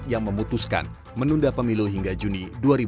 yang memutuskan menunda pemilu hingga juni dua ribu dua puluh